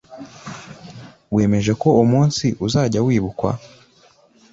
wemeje ko uwo munsi uzajya wibukwa